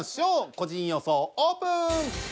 個人予想オープン！